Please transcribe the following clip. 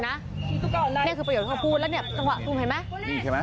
นี่คือประโยชน์ที่เค้าพูดแล้วจังหวะที่สิงคับได้ไหม